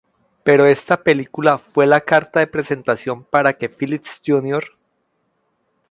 Pero esta película fue la carta de presentación para que Phillips Jr.